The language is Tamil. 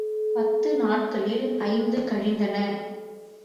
பத்து நாட்களில் ஐந்து கழிந்தன.